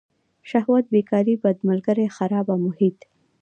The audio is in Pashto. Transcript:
شهوت بیکاري بد ملگري خرابه محیط.